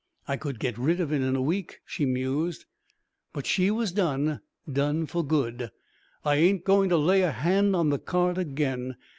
"I could get rid of it in a week," she mused. But she was done done for good. "I ain't going to lay a hand on the cart again!"